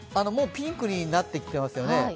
もうピンクになってきてますよね